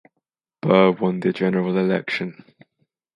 Burr won the general election.